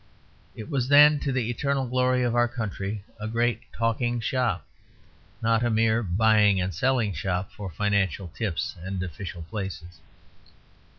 It was then, to the eternal glory of our country, a great "talking shop," not a mere buying and selling shop for financial tips and official places.